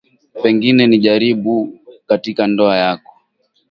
Pengine ni jaribu katika ndoa yako.